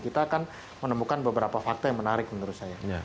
kita akan menemukan beberapa fakta yang menarik menurut saya